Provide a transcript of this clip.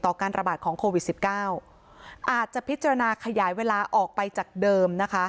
ต่อการระบาดของโควิด๑๙อาจจะพิจารณาขยายเวลาออกไปจากเดิม